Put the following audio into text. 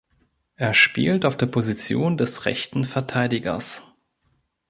Er spielt auf der Position des rechten Verteidigers.